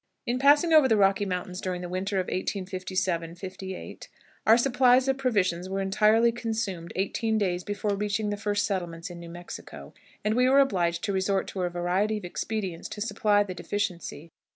In passing over the Rocky Mountains during the winter of 1857 8, our supplies of provisions were entirely consumed eighteen days before reaching the first settlements in New Mexico, and we were obliged to resort to a variety of expedients to supply the deficiency.